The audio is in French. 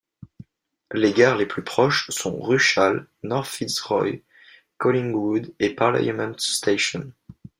Les gares les plus proches sont Rushall, North Fitzroy, Collingwood et Parliament Station.